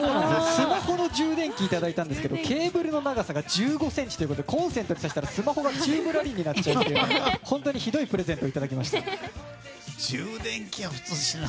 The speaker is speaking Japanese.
スマホの充電器できたんですけどケーブルの長さが１５ｃｍでコンセントに差したらスマホが宙ぶらりんになっちゃうひどいプレゼントをいただきました。